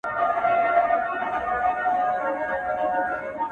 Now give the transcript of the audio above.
• رقیب ته وګرځه اسمانه پر ما ښه لګیږي ,